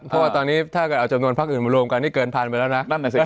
เพราะว่าตอนนี้ถ้าเกิดเอาจำนวนภาคอื่นมารวมกันที่เกินพันไปแล้วนะ